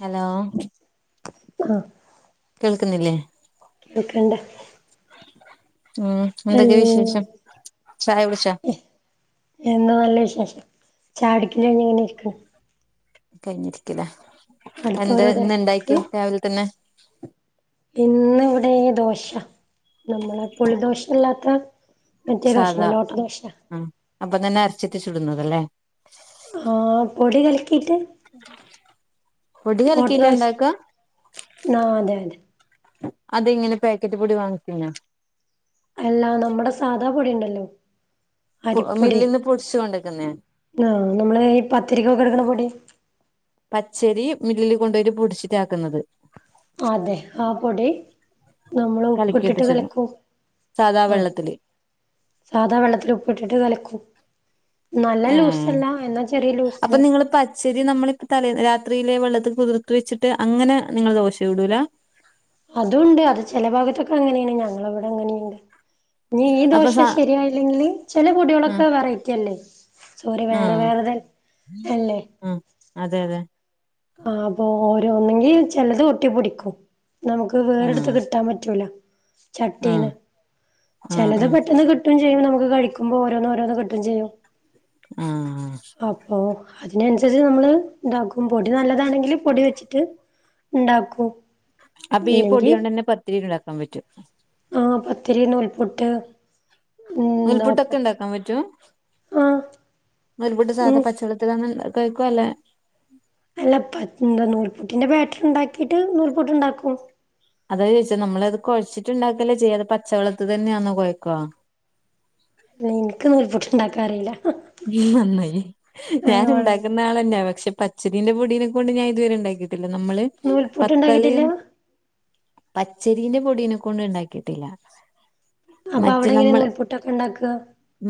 Hello. ആഹ്. കേൾക്കുന്നില്ലേ. ന്തൊക്കെണ്ട്. ഉം എന്തൊക്കെ വിശേഷം ചായകുടിച്ചാ. എന്നാ നല്ല വിശേഷം ചായൊടിക്കല് കയിഞ്ഞ് ഇങ്ങനെരിക് കയിഞ്ഞിരിക്കിലേ അടുത്ത എന്ത് ഓരോ തെരക്ക് ഇന്ന്ണ്ടാക്കിയേ രാവിലെ തന്നെ. ഇന്ന് ഇവിടെ ദോശ നമ്മളെ പുളി ദോശല്ലാത്ത. സാധാ ആ അപ്പതന്നെ അര്ച്ചിട്ട് ചുടുന്നത് ലേ. ആഹ് പൊടി കൽക്കീട്ട്. [inaudible] പൊടി ഓട്ടദോശ കലക്കീട്ടണ്ടാക്ക? ആഹ് അതെ അതെ അതെങ്ങനെ പാക്കറ്റ് പൊടി വാങ്ങിക്കിന്ന. അല്ല നമ്മുടെ സാധാ പൊടിണ്ടല്ലോ. പൊ മില്ല്ന്ന് പൊട്ച്ചു കൊണ്ടെക്കുന്നേ. ആഹ് നമ്മള് ഈ പത്തിരിക്കൊക്കെട്ക്കണ പൊടി. പച്ചരി മില്ല്ല് കൊണ്ടോയിട്ട് പൊടിച്ചിട്ടാക്ക്ന്നത്. അതെ ആ പൊടി. നമ്മള് കലക്കിയിട്ട് ഉപ്പിട്ടിട്ട് ചുടും കലക്കു സാധാ ആ. വെള്ളത്തില് സാദാ വെള്ളത്തില് ഉപ്പിട്ടിട്ട് കലക്കും നല്ല ഏഹ് ലൂസല്ല എന്നാ ചെറിയ ലൂസ്ല്. ചരി നമ്മളിപ്പ തലേ രാത്രിയിലെ വെള്ളത്ത് കുതിർത്ത് വെച്ചിട്ട് അങ്ങനെ നിങ്ങള് ദോശ ചുടൂല. അതുംണ്ട് അത് ചെല ഭാഗത്തൊക്കെ അങ്ങനെണ് ഞങ്ങളെവടെ അങ്ങനെയ്ണ്ട്. ഇനി ഈ അപ്പൊ സ ദോശ ശരിയായില്ലെങ്കില് ചെല ആഹ് പൊട്യളൊക്കെ വെറൈറ്റി അല്ലേ. സോറി വേറെ ആഹ് വേറെത അല്ലേ ആ അതെ അതെ. ആഹ് അപ്പൊ ഓരോ ഒന്നെങ്കി ചെലത് ഒട്ടിപിടിക്കും നമുക്ക്. ആഹ് വേറെട്ത്ത് കിട്ടാപറ്റൂല ആഹ് ചട്ടിന്ന് ആഹ് ചെലത് ആഹ് പെട്ടെന്ന് കി ട്ടും ചെയ്യും നമ്മക്ക് കഴിക്കുമ്പോ ഓരോന്ന് ഓരോന്ന് കിട്ടും ചെയ്യും. ആഹ്. അപ്പൊ അതിനൻസര്ച്ച് നമ്മള് ണ്ടാക്കും. പൊടി നല്ലതാണെങ്കില് പൊടി വെച്ചിട്ട് ണ്ടാക്കൂ. അപ്പീ പൊടിയോണ്ടെന്നെ പത്തിരി ണ്ടാക്കാമ്പറ്റോ ആഹ് പത്തിരി നൂൽപുട്ട് എന്താ നൂൽപ്പുട്ടൊക്കെ ണ്ടാക്കാപറ്റും ആഹ് നൂൽപുട്ട് സാധ ഉം പച്ചള്ളത്തിലങ്ങ് ണ്ടാ കൊയ്കൊല്ലേ അല്ല പത് ന്താ നൂൽപൂട്ടിന്റെ ബാറ്ററിണ്ടാക്കിട്ട് നൂൽപുട്ട്ണ്ടാക്കും അതാജോയിച്ചെ നമ്മളത് കൊഴച്ചിട്ട്ണ്ടാക്കല്ലേ ചെയ്യാത് പച്ചവെള്ളത്തിതന്നെയാന്നൊ കൊയക്കാ ല്ല ഇൻക്ക് നൂൽപ്പുട്ട്ണ്ടാക്കാറീല ഹാ ഉും നന്നായി ഞാൻ ഉണ്ടാക്കണ ന്നാളന്നെ പക്ഷെ പച്ചരീന്റെ പൊടീനെകൊണ്ട് ഞാ ഇ ത്വരെണ്ടാക്കിട്ടില്ല നമ്മള് നൂൽപുട്ട് ഉണ്ടാക്കിട്ടില്ല പത്തലയും പച്ചരീന്റെ പൊടീനെ കൊണ്ട് ണ്ടാക്കിട്ടില്ല അപ്പൊ അവ്ടെങ്ങനെ നൂൽപുട്ടൊക്കെണ്ടാക്കാ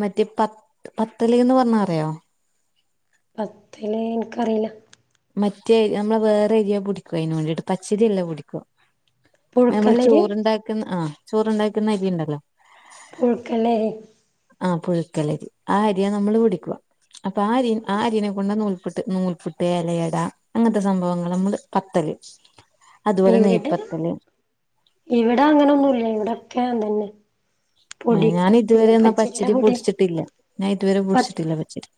മറ്റേ പത് പത്തല്ന്ന് പറഞ്ഞ അറിയോ പത്തല് ൻക്കറില മറ്റേ അമ്മളെ വേറെ രിയാ പൊടിക്കയ് ന് വേണ്ടിട്ട് പച്ചരിയല്ല പൊടിക്ക മേമ്മള് പുഴുക്കലരി ചോറ്ണ്ടാക്ന്ന ആഹ് ചോറ്ണ്ടാക്ന്ന അരിണ്ടല്ലോ പുഴ്ക്കല്ലേരി ആഹ് പുഴുക്കല്ലരി ആഹ് അര്യാ നമ്മള് പൊടിക്കുവാ അപ്പൊ ആര്യ ആര്യനെ കൊണ്ട നൂൽട്ട് നൂൽപുട്ടേ ല്ലെയട അങ്ങത്തെ സംഭവങ്ങളും മ്മള് പത്തല് അതുപോലെ ഇവിടെം നെയ്പത്തല് ഇവടെ അങ്ങനൊന്നുല്യ ഇവിടെക്കെ അതന്നെ ആഹ് പൊടി ഞാന് ദ്വരെന്നാ പച്ചരിയുടെ പച്ചരി പൊടി പൊടിച്ചിട്ടില്ല ഞാഇത്വരെ പ പൊട്ഷ്ട്ടില്ല പച്ചരി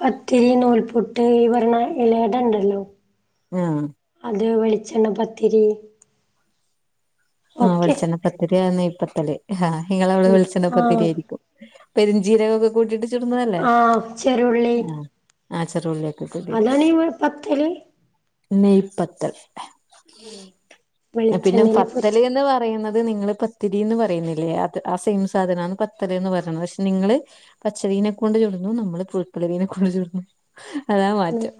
പത്തിരി നൂൽപുട്ട് ഈ വരണ ഇലേഡ ണ്ടല്ലോ ഞാ അത് വെളിച്ചെണ്ണ പത്തിരി ആഹ് ഒക്കെ വെൾച്ചെണ്ണ പ്പത്തിരി നെയ്പ്പത്തല് ഇങ്ങളവ്ടെ ഉം ആഹ് വെൾച്ചെണ്ണപ്പത്തിരിയിരിക്കും പെരുഞ്ചീരകക്കെ കൂട്ടീട്ട് ചൂടുന്നതല്ലേ ആഹ് ചെറുള്ളി ആഹ് ആഹ് ചറുള്ളിക്കൊ കൂട്ടീട്ട് അതാണ് ഈ പത്തല് നെയ്പ്പത്തൽ പിന്നെ പ വെളിച്ചെണ്ണേല് പൊരിച്ച് ന്ന് പറയുന്നത് നിങ്ങള് പത്തിരി എന്ന് പറയുന്നില്ലേ അത് ആ സെയിം സാധനാന്ന് പത്തല്ന്ന് പറിണത് ക്ഷെ നിങ്ങള് പച്ചരീനെ കൊണ്ട് ചുടുന്നു നമ്മള് പു ഴ്ക്കല്ലരീനെ കൊണ്ട് ചുടുന്നു അതാ ഉം മാറ്റം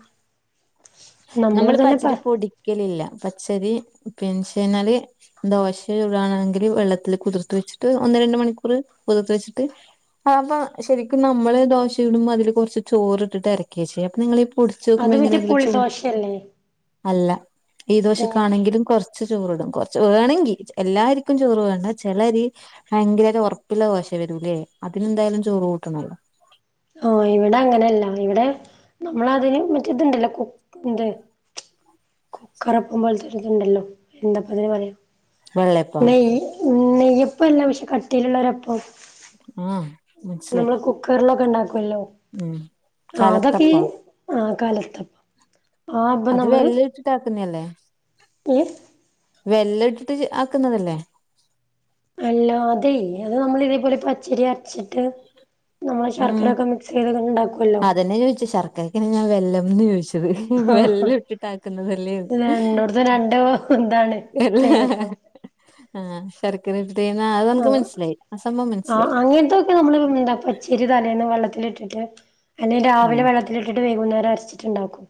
നമ്മള് തന്നെ പ പച്ചരി പൊടി ക്കലില്ല പച്ചരി പെൻഷേനാല് ദോശ ചുടാനാണെങ്കില് വെള്ളത്തിൽ കുതിർത്ത് വെച്ചിട്ട് ഒന്ന് രണ്ട് മണിക്കൂർ കുതർത്ത് വെച്ചിട്ട് ആഹ് അപ്പ ശരിക്കും നമ്മള് ദോശ ചുടുമ്പോഅതില് കൊർച്ച് ചോറ്ട്ടിട്ട് അരക്കാ ഷെയ്യ അപ്പൊ നിങ്ങള് പൊടിച്ചു അത് വെക്കുമ്പോങ്ങനെ മറ്റേ അതില് ചോ പുളിദോശയല്ലേ അല്ല ഈ ഏഹ് ദോശക്കാണെങ്കിലും കൊർച്ച് ചോറ്ടും കൊർ ചോറാണങ്കി ച് എല്ലാരിക്കും ചോറ് വേണ്ട ചെലരി ഭയങ്കര ഒറപ്പ്ല്ല കോശെ വരൂല്ലേ അതിന്തായാലും ചോറ് കൂട്ടണല്ലോ ആഹ് ഇവിടെ അങ്ങനെയല്ല ഇവിടെ നമ്മള അതിന് മറ്റേ ഇതുണ്ടല്ലോ കു ഇന്ത് കുക്കറപ്പം പോലത്തര്ത്ണ്ടല്ലോ എന്താപ്പതിന് പറ്യാ വെള്ളയപ്പ നെയ്യ് നെയ്യപ്പല്ല പക്ഷെ കട്ടില്ള്ളരപ്പം ആഹ് മൻസിലായി ക്കർലൊക്കെണ്ടാക്കൊല്ലോ ആതക്കീ കലത്തപ്പ ആഹ് കലത്തപ്പം ആ അപ്പം അത് വെര്‌ലിൽട്ട്ട്ടാട്ടുന്ന്യേല്ലേ യ്യ് വെര്‌ലിൽട്ടിട്ട്ചെ ആക്കുന്നതല്ലേ അല്ലാ അദൈ അത് നമ്മൾ ഇതേപോലെ പച്ചരി അരച്ചിട്ട് നമ്മൾ ശർക്കരയൊക്കെ മിക്സ് ചെയ്ത് ഉണ്ടാക്കുമല്ലോ. ചോദിച്ചത് ശർക്കരക്കനെ ഞാൻ വെല്ലംന്ന് ചോദിച്ചത് ആഹ് വെല്ലം ഇട്ടിട്ടാക്കുന്നുന്നത്ല്ലേ. ഇത് രണ്ട്. ഇതാണ് എല്ല പേര് ആഹ. ചെരുക്കന് ഇഷ്ട്ട യിര്ന്ന് അത് നനക്ക് മനസിലായി ആ സംഭവം മനസ്സിലായി. നമ്മ പച്ചിരി തലേന്ന്വെള്ളത്തിിട്ടിട്ട് അല്ലെങ്ക രാവിലെ ഉം വെള്ളത്തി. ഇിട്ട് വൈകുന്നേരം അരച്ചിട്ടുണ്ടാക്കും.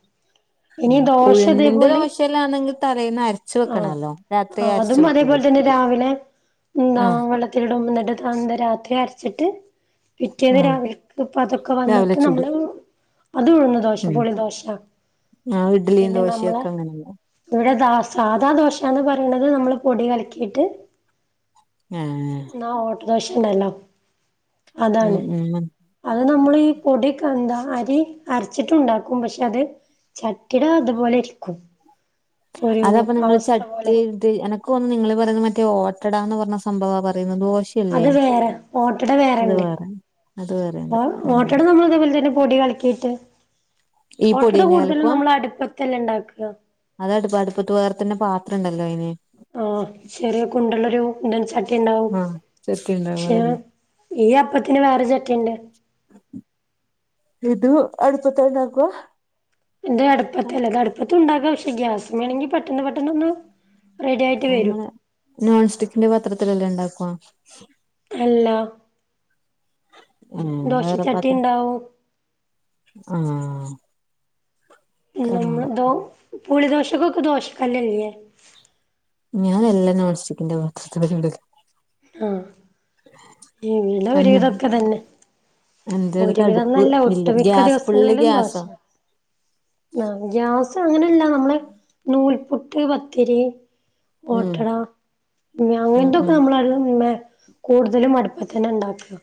ഇനിിയ ആഹ് ദോശ ഉഴുന്നിന്റെ അതേപോലെ ദോശല്ലാന്നെങ്കിൽ തലേന്ന് അരച്ച് ആഹ വെക്കണല്ലോ രാത്രി ആ അരച്ച് അതും വെക്കൂലേ അതേപോലെ തന്നെ രാവിലെ. എന്താ ആഹ് വെള്ളത്തിലടമ്പന്നിട്ട് ത രാത്രി അരച്ചിട്ട്. പിറ്റേത് ആഹ് രാവില ഇപ്പ അതൊക്കെ രാവിലെ വന്നിട്ട് ചുടും നമ്മള്. അതുഴ്ന്ന്ദോശ ഉം പോളി ദോശ ആഹ് ഇഡ്ലിം പിന്നെ നമ്മളെ ദോശ്യഒക്കെ അങ്ങനെല്ലേ ഇവിടെ ധാസാ സാധാ ദോശാന്ന് പറിണത് നമ്മൾ പൊടി കലക്കീട്ട് ഉം. ആാ ഓട്ടദോശണ്ടല്ലോ ഉം അതാണ്. ഉം അത് നമ്മൾ ഈ പൊടിെ എന്താ അരി അരച്ചിട്ടുണ്ടാക്കും പക്ഷെ അത്. ചട്ടിടോ അതുപോലെ ഇരിക്കും. ഒരു അതപ്പൊ നിങ്ങള് അവസ്ഥ ചട്ടി പോലെ ഇട്ട് എനക്ക് തോന്ന്ന്നു നിങ്ങള് പറയുന്നത് മറ്റേ ഓട്ടടാന്ന് പറഞ്ഞ സംഭവാ പറയുന്നത് ദോശ അത് വേറെ ഓട്ടട വേറേണ്ട് വേറെ അത് വേറെണ്ട് ഓ ഉം [unintelligible] നമ്മളിതേ പോലെ തന്നെ പൊടി കലക്കീട്ട് ഈ ഓട്ടട പൊടിയന്നെ കൂടുതലും കലക്കുവാ നമ്മള് അടുപ്പത്തെല്ലേ ഉണ്ടാക്കുക അത് അടുപ്പ അടുപ്പത്ത് വേറെതന്നെ പാത്രംണ്ടല്ലോ അയിന് ആഹ് ചെറിയ കുണ്ടുള്ളൊരു [unintelligible] ചട്ടി ഉണ്ടാവും ആഹ് ചട്ടി ഉണ്ടാവും ക്ഷെ അതന്നെ ഈ അപ്പത്തിന് വേറെ ചട്ടിയുണ്ട് ഇത് അടുപ്പത്ത ണ്ടാക്കുവ [unintelligible] അടുപ്പത്തല്ലേ ഇത് അടുപ്പത്തു ഉണ്ടാക്കാം പക്ഷെ ഗ്യാസ് വേണമെങ്കി പെട്ടെന്ന് പെട്ടെന്ന് [unintelligible] [unintelligible] നോൺ സ്റ്റിക്കിന്റെ പത്രത്തിലല്ലെ ഉണ്ടാക്കുവാ അല്ല ഉം വേറെ ദോശച്ചട്ടി പാത്രം ഉണ്ടാവു ആഹ് അല്ല എനിക്കറിഞ്ഞൂടാ [unintelligible] ദോ പുളി ദോശക്കൊക്കെ ദോശക്കല്ലല്ലേ ഞാൻ എല്ലാം നോൺസ്റ്റിക്കിന്റെ പാത്രത്തിലാ [unintelligible] [unintelligible] എന്ന [unintelligible] തന്നെ എന്റെടുത്ത് അടുപ്പ് ഒരുവിധംന്നല്ല ഇല്ല ഒട്ടുമിക്ക ഗ്യാസ് ഫുള്ള് ദിവസങ്ങളിലും ദോശ ഗ്യാസാ [unintelligible] ഗ്യാസ് അങ്ങനല്ല നമ്മള് നൂൽപുട്ട് പത്തിരി ഉം ഓട്ടട [unintelligible] ഉം അങ്ങനത്തൊക്കെ ഉം നമ്മളെ [unintelligible] കൂടുതലുമടു തന്നാ ഉണ്ടാക്ക്ക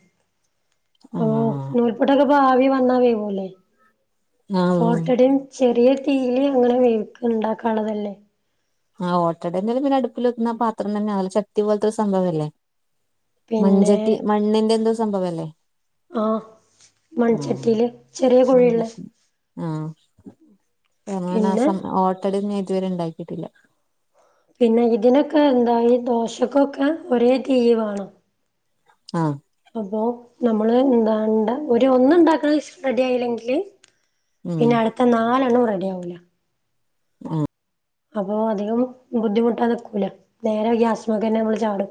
ഓഹ് ആഹ് നൂൽപുട്ടൊക്കെ [unintelligible] ആവി വന്നാ വേവൂല്ലേ ആഹ് ഓട്ടടയും ചെറിയ തീയില് അങ്ങനെ [unintelligible] ഉണ്ടാക്കാള്ളതല്ലേ ആഹ് ഓട്ടട എന്തായാലും പിന്നെ അടുപ്പിൽ വക്കുന്ന പാത്രം തന്നെ [unintelligible] ചട്ടി പോലത്തൊരു സംഭവം അല്ലേ പിന്നെ മഞ്ചട്ടി മണ്ണിന്റെ എന്തോ സംഭവല്ലേ ആഹ് ആഹ് മൺചട്ടിയില് ചെറിയ കുഴിയള്ള മൺചട്ടി ആഹ് [unintelligible] പിന്നെ ഓട്ടടെന്നും ഞാൻ ഇതുവരെ ഉണ്ടാക്കിയിട്ടില്ല പിന്നെ ഇതിനൊക്കെ എന്താ ദോശക്കൊക്കെ ഒരേ തീ വേണം ആഹ് അപ്പൊ നമ്മള് എന്താ [unintelligible] ഒരു ഒന്ന് ഉണ്ടാക്കണ റെഡി ആയില്ലെങ്കില് ഉം പിന്നെ അടുത്ത നാലെണ്ണോം റെഡി ആവൂല [unintelligible] അപ്പൊ അധികം ബുദ്ധിമുട്ടാ നിക്കൂല നേരെ ഗ്യാസ്മേക്കന്നെ നമ്മൾ ചാടും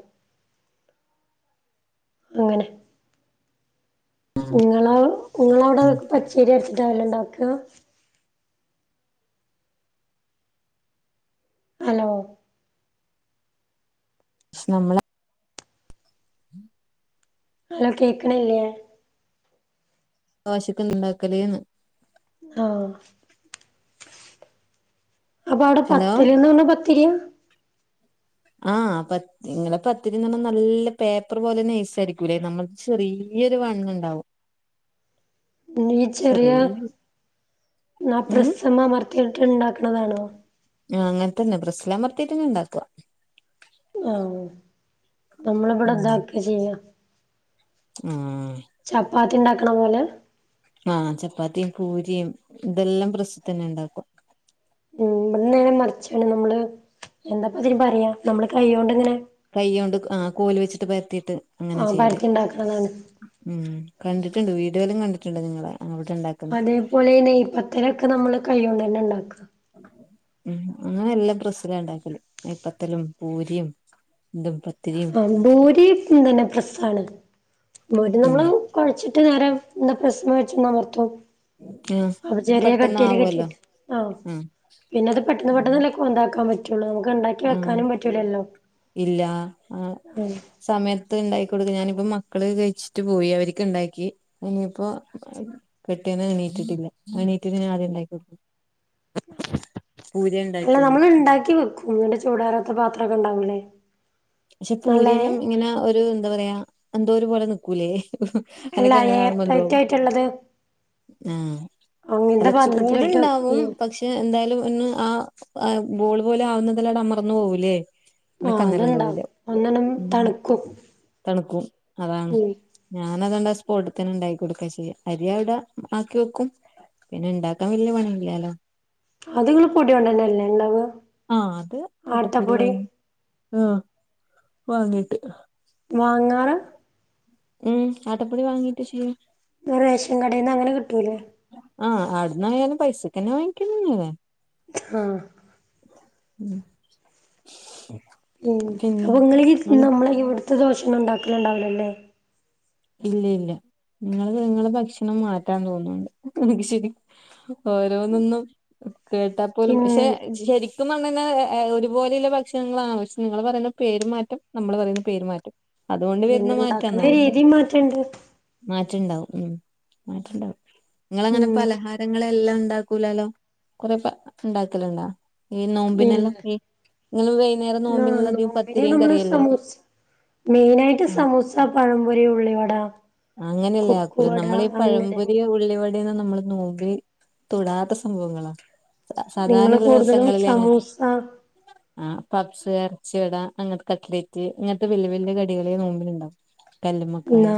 അങ്ങനെ നിങ്ങള നിങ്ങളവിടെ പച്ചരി അരച്ചിട്ടവൂല്ലേ ഉണ്ടാക്കുക ഹലോ നമ്മള ഹലോ കേക്ക്ണില്ലേ? ദോശക്ക് ന്ത്‌ ണ്ടാക്ക്ല്ന്ന്? ആഹ് അപ്പൊ അവ്ടെ ഹലോ പത്തല്ന്ന് പർഞ്ഞാ പത്തിര്യാ? ആഹ് പത്ത് നിങ്ങള പത്തിരിന്ന് ർഞ്ഞാ നല്ല പേപ്പർ പോലെ നൈസാരിക്കൂല്ലേ നമ്മള്ത് ചെറിയൊരു വണ്ണണ്ടാവും. ന്നീ ചെറിയ നാ ഉം പ്രസ്സ്മ്മേ അമർത്തിയിട്ട് ഇണ്ടാക്കണതാണോ? ആഹ് അങ്ങൻത്തന്നെ പ്രസ്സ്ലമർത്തിയിട്ടന്നെ ഇണ്ടാക്ക ആഹ് നമ്മള്വടെ ഇതാക്കാ ചെയ്യാ ഉം ആഹ് ചപ്പാത്തി ണ്ടാക്ക്ണ പോലെ ആഹ് ചപ്പാത്തിം പൂര്യം ഇതെല്ലം പ്രസ്സ്തന്നെ ണ്ടാക്കും. മ് ബടെ നേരെ മർച്ചാണ് നമ്മള് എന്താപ്പ അതിന് പറയാ നമ്മള് കൈയ്യോണ്ട് ഇങ്ങനെ കയ്യോണ്ട് ആ കോല് വെച്ചിട്ട് പര്ത്തീട്ട് അങ്ങനാ ആഹ് ചെയ്യല്. പരത്തിണ്ടാക്കണതാണ് ഉം കണ്ടിട്ട്ണ്ട് വീഡ്യോലും കണ്ടിട്ട്ണ്ട് നിങ്ങളെ അവ്ടെ ണ്ടാക്ക്ന്നെ. ഓലെ നെയ്പ്പത്തലൊക്കെ നമ്മള് കയ്യോണ്ടെന്നേ ണ്ടാക്ക. ഞങ്ങള് എല്ലം പ്രെസ്സിലാണ്ടാക്കല് നെയ്പത്തലും പൂരിം. ന്റെ പ്ര ആ ഭൂരി ന്താണ് പ്രസ്സാണ്. ഭൂരി ഉം നമ്മള് കൊഴച്ചിട്ട് നേരെ ന്താ പ്രസ്സ്മ്മ വെച്ചിന്നമർത്തും. ആഹ് അപ്പൊ ചെറിയ പെട്ടെന്ന് കട്ടില് ആവുവല്ലോ കിട്ടിട്ട് ആഹ് പിന്നെത് പെട്ടെന്ന് പെട്ടെന്ന് ലെ ഉണ്ടാക്കാ പറ്റുള്ളൂ മ്മക്ക് ണ്ടാക്കി ആഹ് വെക്കാനും പറ്റൂലല്ലോ. ഇല്ല ആഹ് ഉം സമയത്ത് ണ്ടാക്കി കൊട്ക്ക ഞാനിപ്പം മക്കള് കഴിച്ചിട്ട് പോയി. അവര്ക്ക് ണ്ടാക്കി. ഇനിയിപ്പോ കെട്ടിയോന് എണീറ്റിട്ടില്ല. എണീട്ടി ആദ്യംണ്ടാക്കികൊട് അല്ല ഉണ്ടാക്കിന്ന് നമ്മള് ണ്ടാക്കി വെക്കും. ന്ന്ട്ട് ചൂടാറാത്ത പാത്രക്കെ ണ്ടാവൂലെ? ശെ പൂര്യെല്ലാം ഇങ്ങനെ ഒരു എന്താ പറയാ എന്തോ ഒരു പോലെ നിക്കൂലേ? അല്ല എനക്ക് അങ്ങനെ എയർ കാണുമ്പോ എന്തോ ടൈറ്റ് ആയിട്ടുള്ളത് ആഹ് അല്ല അങ്ങനത്തെ പാത്രത്തിലിട്ട് ചൂട്ണ്ടാവും വെക്കയ്യും പക്ഷെ [unintelligible] എന്തായാലും ഒന്ന് ആ ആ ബോള് പോലെ ആവുന്നതെല്ലാട അമർന്നു പോവൂല്ലേ? നക്ക് ആഹ് അന്നേരം ന്തോ അത്ണ്ടാവും പൊല്യവും. ഒന്നണ് ഉം തണുക്കും തണുക്കും അതാണ്. ഉം ഞാന അതോണ്ട ആ സ്പോട്ട്തെന്നെ ണ്ടാക്കി കൊടുക്കാ ചെയ്യാ. അരിയവ്ടെ ആക്കി വെക്കും. പിന്നെ ണ്ടാക്കാ വെല്ല്യ പണില്ല്യേലോ. അത്ങ്ങള് പൊട്യേണ്ടെന്നെല്ലേ ണ്ടാവ? ആഹ് അത് ആട്ടപ്പൊടി വാങ്ങി ആഹ് വാങ്ങിട്ട് വാങ്ങാറാ? ഉം ആട്ടപ്പൊടി വാങ്ങീട്ട് ശെയ്യും. ത് റേഷൻ കടേന്ന് അങ്ങനെ കിട്ടൂലെ? ആഹ് അവ്ട്ന്നായാലും പൈസക്കെന്നെ വാങ്ങിക്ക്ണ ല്ലെ? ആഹ് ഉം. [inaudible] ഉം പിന്നെ അപ്പൊ ങ്ങളീ അത് നമ്മളെ ഇവ്ട്ത്തെ ദോശന്നു ണ്ടാക്കല്ണ്ടാവൂലലേ? ഇല്ല ഇല്ല ഇങ്ങള് ഇങ്ങളെ ഭക്ഷണം മാറ്റാൻ തോന്നുണ്ട് [unintelligible] ശെരി. ഓരോന്നൊന്നും കേട്ടാ പോലും പിൻ ശെ ശെരി ക്കും പർഞ്ഞയ്ഞ്ഞാ ഒരു പോലെള്ള ഭക്ഷണങ്ങളാ. പഷേ നിങ്ങൾ പറയുന്ന പേരുമാറ്റം നമ്മൾ പറയുന്ന പേരുമാറ്റം. അതുകൊണ്ട് വെര്ന്ന പിന്നെ മാറ്റാ ഇണ്ടാക്കണ ആന്ന് രീതി മാറ്റണ്ട്. മാറ്റണ്ടാവും മ് മാറ്റുണ്ടാവും ഇങ്ങളങ്ങനെ ഉം പലഹാരങ്ങളെല്ലാം ഇണ്ടാ കൂലല്ലോ കൊറെ ഇണ്ടാക്കല് ഇണ്ടാ ഈ ഇല്ല നോമ്പിനെല്ലം ഈ വൈ ന്നാ നോമ്പിന് നമ്മള് സമൂസ മെയിനായിട്ട് ആ സമൂസ പഴംപൊരി ഉള്ളി വടാ അങ്ങനെല്ലേ ആക്കൂല നമ്മളീ പഴംമ്പോരിയോ ഉള്ളി വ [unintelligible] നമ്മള് നോമ്പി തൊടാത്ത സംഭവങ്ങളാ. നിങ്ങള് സാധാരണള്ള കൂടുതലും ദിവസങ്ങളില് അങ്ങന്നെ സമൂസ ആ പപ്പ്സ് എർച്ചി വടാ അങ്ങൻനത്തെ കട്ട്ലെറ്റ് ഇങ്ങൻത്തെ വെല്ല്യ വെല്ല്യ കടികളെ നോമ്പിന് ഉണ്ടാക്കു. കല്ല്മ്മ ന്നാ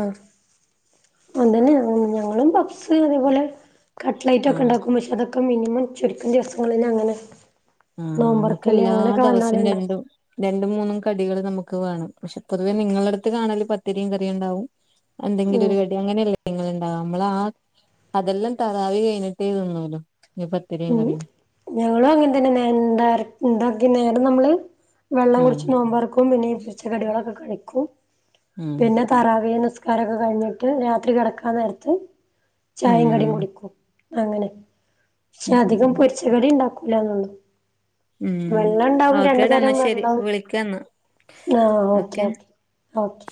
അതെന്നെ ഞങ്ങളും പപ്പ്സ് അതേപോലെ കട്ട്ലൈറ്റ് ഒക്കെ ആഹ് ഇണ്ടാക്കും പഷെ അതൊക്കെ മിനിമം ചുരുക്കം ദിവസങ്ങളിലാ അങ്ങനെ. ആഹ് നമ്മുക്ക് നോമ്പർക്കല് എല്ലാ അങ്ങനെയൊക്കെ വന്നാലേ ദിവസം ഉണ്ടാക്കും രണ്ടും രണ്ട് മൂന്നും കടികൾ നമുക്ക് വേണം പക്ഷെ പൊതുവേ നിങ്ങളുടെ അടുത്ത് കാണല് പത്തരിയും കറിയും ഉണ്ടാവും എന്തെങ്കിലും ഉം ഒരു കടി അങ്ങനെയല്ലേ ഇങ്ങള് ഉണ്ടാവ നമ്മൾ ആ അതെല്ലാം തറാവിഹ് കഴിഞ്ഞിട്ടേ തിന്നല്ലോ നി പത്തിരിയും ഉം കറിയും ഞങ്ങളും അങ്ങനെ തന്നെന്ത എന്താക്കി നേരം നമ്മള് വെള്ളം ഉം കുടിച്ച് നോമ്പ് തുറക്കും പിന്നെ പൊരിച്ച കടികളൊക്കെ കഴിക്കും ഉം പിന്നെ തറാവി നിസ്കാരോക്കെ കഴിഞ്ഞിട്ട് രാത്രി കിടക്കാൻ നേരത്ത് ചായയും കടിയും ഉം കുടിക്കും അങ്ങനെ പക്ഷെ ഉം അധികം ഉം പൊരിച്ചകടി ഉണ്ടാക്കൂല എന്നള്ളു ഉം വെള്ളം ഇണ്ടാവും രണ്ടു ഓക്കേടാ എന്നാ തരം ശരി വെള്ളം വിളിക്കാന്നാ ആഹ് ഓക്കെ ഓക്കേ ഓക്കെ